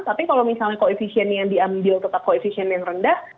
tapi kalau misalnya koefisien yang diambil tetap koefisien yang rendah